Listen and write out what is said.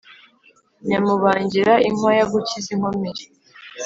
Nyamubangira inkwaya gukiza inkomeri